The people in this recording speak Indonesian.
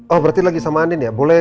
oh berarti lagi sama andin ya